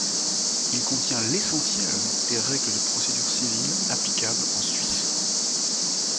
Il contient l'essentiel des règles de procédure civile applicables en Suisse.